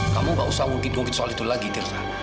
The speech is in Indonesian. kamu nggak usah ngungkit ngungkit soal itu lagi tirta